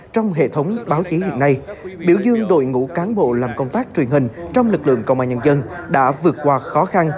trong hệ thống báo chí hiện nay biểu dương đội ngũ cán bộ làm công tác truyền hình trong lực lượng công an nhân dân đã vượt qua khó khăn